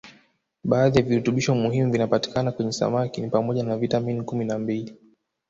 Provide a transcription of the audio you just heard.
Baadhi ya virutubisho muhimu vinavyopatikana kwenye samaki ni pamoja na vitamin kumi na mbili